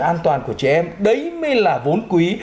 an toàn của trẻ em đấy mới là vốn quý